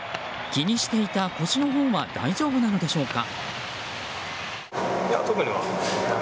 気にしていた腰のほうは大丈夫なのでしょうか。